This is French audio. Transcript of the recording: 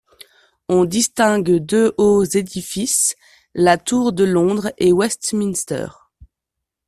On distingue deux hauts édifices, la tour de Londres et Westminster.